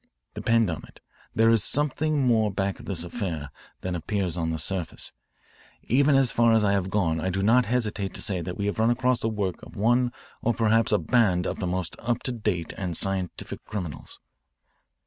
Depend on it, there is something more back of this affair than appears on the surface. Even as far as I have gone I do not hesitate to say that we have run across the work of one or perhaps a band of the most up to date and scientific criminals."